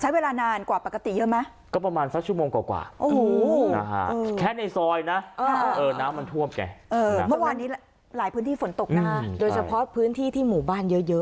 ใช้เวลานานกว่าปกติเยอะไหมก็ประมาณสักชั่วโมงกว่ากว่า